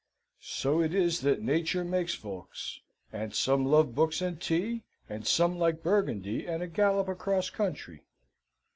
So it is that Nature makes folks; and some love books and tea, and some like Burgundy and a gallop across country.